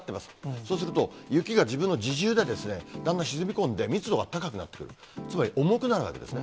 そうすると、雪が自分の自重でだんだん沈み込んで、密度が高くなってくる、つまり重くなるわけですね。